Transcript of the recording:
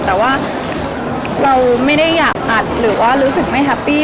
แต่ว่าเราไม่ได้อยากอัดหรือว่ารู้สึกไม่แฮปปี้